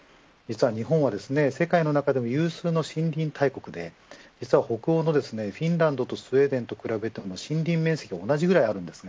日本は世界の中でも有数の森林大国で北欧のフィンランドやスウェーデンと比べても森林面積は同じくらいあります。